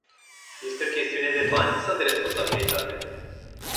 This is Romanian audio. Este o chestiune de bani sau de responsabilitate?